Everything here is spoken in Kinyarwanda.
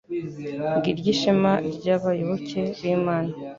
Ngiryo ishema ry’abayoboke b’Imana